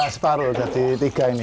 separuh jadi tiga ini